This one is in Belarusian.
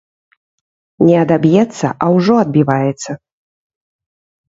Не адаб'ецца, а ўжо адбіваецца.